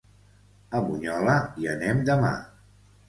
A Bunyola hi anem demà.